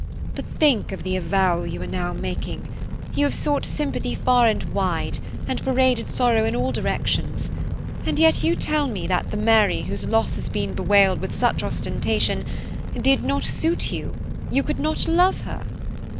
But think of the avowal you are now making; you have sought sympathy far and wide, and paraded sorrow in all directions, and yet you tell me that the Mary whose loss has been bewailed with such ostentation 'did not suit you,' you could not love her.